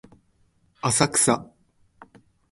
浅草